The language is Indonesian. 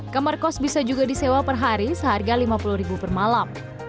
kamar kos bisa juga disewa per hari seharga rp lima puluh per malam